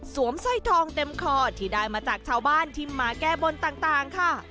สร้อยทองเต็มคอที่ได้มาจากชาวบ้านที่มาแก้บนต่างค่ะ